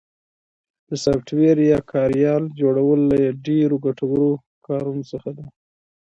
د سافټویر یا کاریال جوړل یو له ډېرو ګټورو کارونو څخه ده